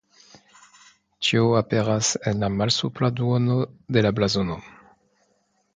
Tio aperas en la malsupra duono de la blazono.